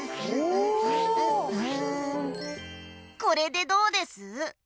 これでどうです？